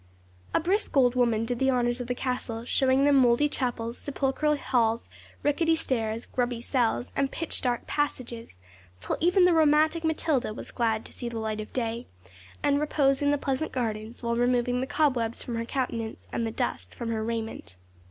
A brisk old woman did the honours of the castle, showing them mouldy chapels, sepulchral halls, rickety stairs, grubby cells, and pitch dark passages, till even the romantic Matilda was glad to see the light of day, and repose in the pleasant gardens while removing the cobwebs from her countenance and the dust from her raiment.